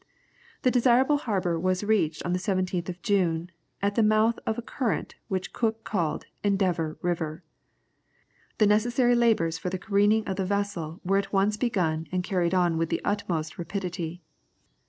The desirable harbour was reached on the 17th of June, at the mouth of a current which Cook called Endeavour River. The necessary labours for the careening of the vessel were at once begun and carried on with the utmost rapidity.